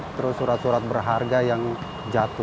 terus surat surat berharga yang jatuh